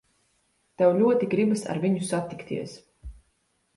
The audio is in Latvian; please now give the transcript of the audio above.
Tev ļoti gribas ar viņu satikties.